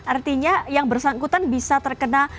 artinya yang bersangkutan bisa terkena